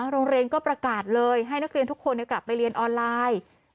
โรงเรียนก็ประกาศเลยให้นักเรียนทุกคนกลับไปเรียนออนไลน์